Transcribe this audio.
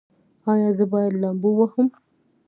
ایا زه باید لامبو ووهم؟